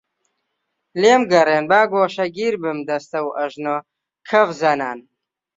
لێم گەڕێن با گۆشەگیر بم دەستەوئەژنۆ کەفزەنان